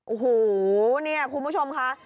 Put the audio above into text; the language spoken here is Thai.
โอ้โหเนี่ยคุณผู้ชมค่ะ